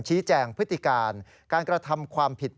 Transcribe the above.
ชี้แจงพฤติการการกระทำความผิด